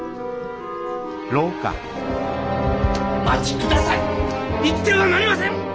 お待ち下さい行ってはなりません！